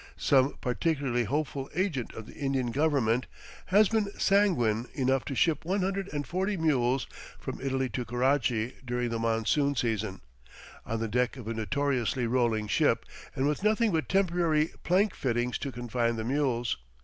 Some particularly hopeful agent of the Indian Government has been sanguine enough to ship one hundred and forty mules from Italy to Karachi during the monsoon season, on the deck of a notoriously rolling ship, and with nothing but temporary plank fittings to confine the mules.